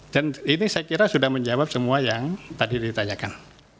dan ini saya kira sudah menjawab semua yang tadi ditanyakan